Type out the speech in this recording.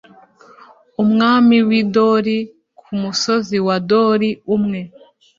umwami w'i dori, ku musozi wa dori, umwe